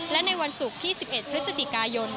และในวันศุกร์ที่๑๑พฤศจิกายน